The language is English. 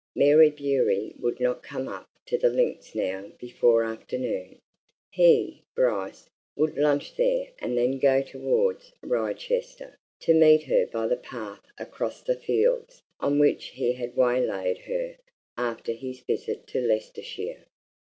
Mary Bewery would not come up to the links now before afternoon; he, Bryce, would lunch there and then go towards Wrychester to meet her by the path across the fields on which he had waylaid her after his visit to Leicestershire.